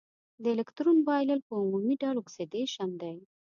د الکترون بایلل په عمومي ډول اکسیدیشن دی.